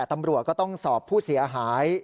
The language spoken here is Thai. ตำรวจก็ต้องสอบผู้เสียหาย